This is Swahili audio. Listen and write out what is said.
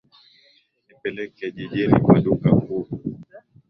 Nipeleke jijini kwa duka kuu.